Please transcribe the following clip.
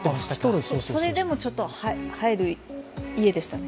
それでもちょっと生える家でしたね。